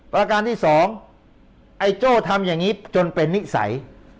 ประการที่สองไอ้โจ้ทำอย่างนี้จนเป็นนิสัย